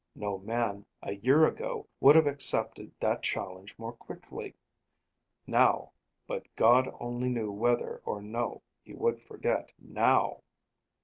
No man, a year ago, would have accepted that challenge more quickly. Now But God only knew whether or no he would forget, now.